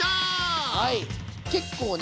結構ね